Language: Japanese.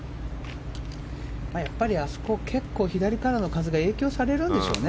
やっぱりあそこ左からの風が影響されるんでしょうね。